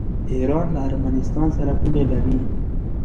ایران له ارمنستان سره پوله لري.